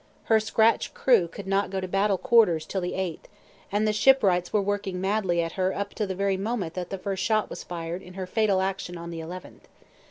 Her scratch crew could not go to battle quarters till the 8th; and the shipwrights were working madly at her up to the very moment that the first shot was fired in her fatal action on the 11th.